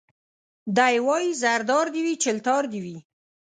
دی وايي زردار دي وي چلتار دي وي